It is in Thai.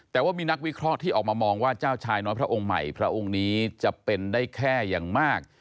แต่ว่ามีนักวิเคราะห์ที่ออกมามองว่าเจ้าชายน้อยพระองค์ใหม่พระองค์นี้จะเป็นได้แค่อย่างมาก